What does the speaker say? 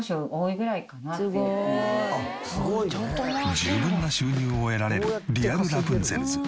十分な収入を得られるリアルラプンツェルズ。